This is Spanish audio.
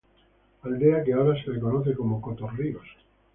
Aldea que ahora se le conoce como Coto Ríos.